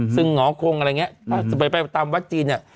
ซึ่งหงอคงอะไรอย่างนี้ถ้าจะไปตามวัดจีนเนี่ย